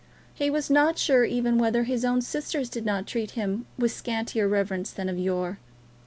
He was not sure even whether his own sisters did not treat him with scantier reverence than of yore.